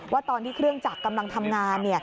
ว่าตอนที่เครื่องจักรกำลังทำงาน